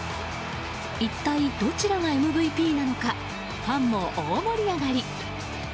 一体どちらがＭＶＰなのかファンも大盛り上がり。